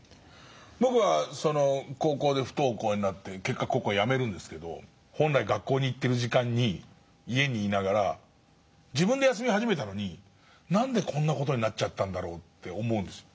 僕は高校で不登校になって結果高校をやめるんですけど本来学校に行ってる時間に家に居ながら自分で休み始めたのに何でこんな事になったんだろうと思うんですよ。